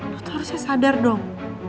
lo terusnya sadar dong